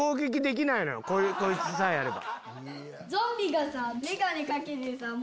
こいつさえあれば。